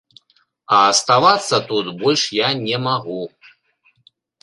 А аставацца тут больш я не магу.